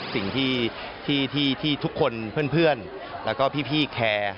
สิ่งที่ทุกคนเพื่อนแล้วก็พี่แคร์